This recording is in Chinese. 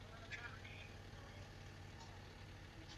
会同三年上奏东丹左次相渤海人大素贤贪墨行为不法。